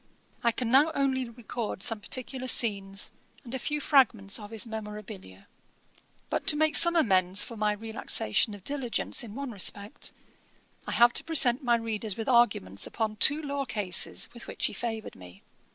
I can now only record some particular scenes, and a few fragments of his memorabilia. But to make some amends for my relaxation of diligence in one respect, I have to present my readers with arguments upon two law cases, with which he favoured me.